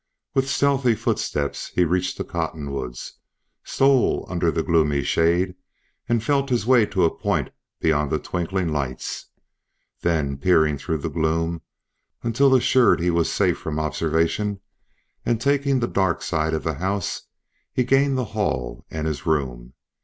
With stealthy footsteps he reached the cottonwoods, stole under the gloomy shade, and felt his way to a point beyond the twinkling lights. Then, peering through the gloom until assured he was safe from observation, and taking the dark side of the house, he gained the hall, and his room.